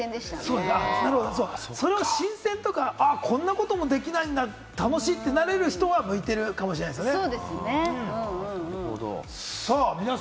そうか、それを新鮮だとか、こんなこともできないんだ、楽しい！ってなれる人は向いてるかもしれませんね。